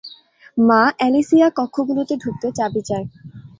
মা, অ্যালিসিয়া কক্ষগুলোতে ঢুকতে চাবি চায়।